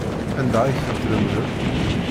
Anda ay tent-tlemdem?